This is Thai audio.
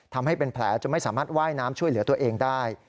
ทำให้เป็นแผลจนไม่สามารถว่ายน้ำช่วยเหลือตัวเองได้